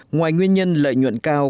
ngoài nguyên nhân lợi nhuận cao